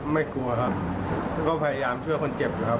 ไม่กลัวครับก็พยายามช่วยคนเจ็บนะครับ